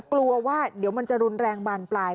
กลัวว่าเดี๋ยวมันจะรุนแรงบานปลาย